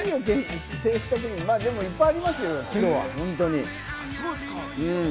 まあでも、いっぱいありますよ